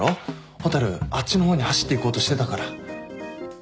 蛍あっちの方に走っていこうとしてたから。